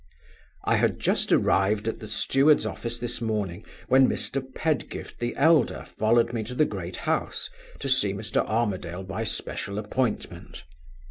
"I had just arrived at the steward's office this morning, when Mr. Pedgift the elder followed me to the great house to see Mr. Armadale by special appointment.